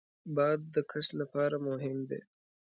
باد د کښت لپاره مهم دی